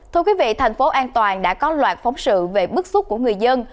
thưa quý vị thành phố an toàn đã có loạt phóng sự về bức xúc của người dân